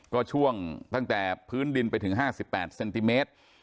ก็ช่วงตั้งแต่พื้นดินไปถึง๕๘เซนติเมตร